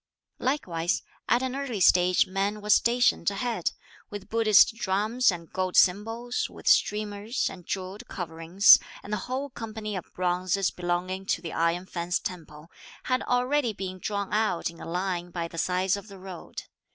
Likewise, at an early stage men were stationed ahead, with Buddhist drums and gold cymbals, with streamers, and jewelled coverings; and the whole company of bonzes, belonging to the Iron Fence Temple, had already been drawn out in a line by the sides of the road.